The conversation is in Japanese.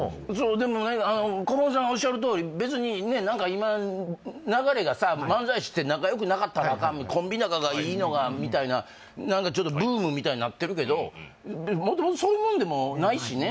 でもこぼんさんがおっしゃるとおり別に何か今流れがさ漫才師って仲良くなかったらあかんコンビ仲がいいのがみたいな何かちょっとブームみたいになってるけど元々そういうもんでもないしね